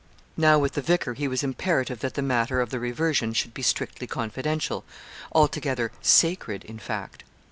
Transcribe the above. Now, with the vicar he was imperative that the matter of the reversion should be strictly confidential altogether 'sacred,' in fact.